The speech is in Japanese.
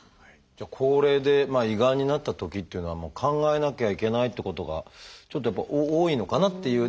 高齢で胃がんになったときっていうのは考えなきゃいけないってことがちょっとやっぱり多いのかなっていう。